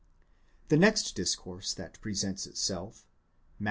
® The next discourse that presents itself (Matt.